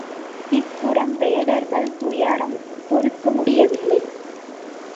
இப் புறம் வேடர்கள் துயரம் பொறுக்க முடியவில்லை.